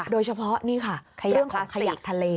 โดยเฉพาะนี่ค่ะเรื่องของขยะทะเล